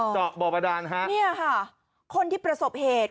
เจาะเบาะบาดาอะไรอะคะนี่ค่ะคนที่ประสบเหตุ